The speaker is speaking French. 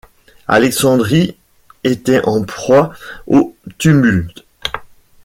Alexandrie était en proie au tumulte.